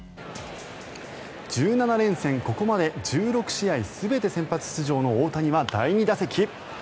１７連戦、ここまで１６試合全て先発出場の大谷は第２打席。